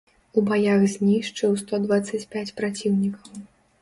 У баях знішчыў сто дваццаць пяць праціўнікаў.